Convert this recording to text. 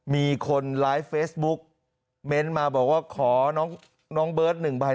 มีคนไลฟ์เฟซบุ๊กเม้นต์มาบอกว่าขอน้องเบิร์ต๑ใบ